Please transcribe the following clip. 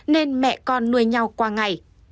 nên mẹ con nuôi nhau qua ngày